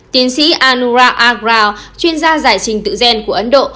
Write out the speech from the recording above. tiến sĩ anurag agraw chuyên gia giải trình tự gen của ấn độ